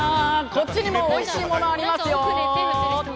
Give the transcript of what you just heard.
こっちにもおいしいものがありますよ！